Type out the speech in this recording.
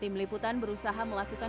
tim liputan berusaha melaksanakan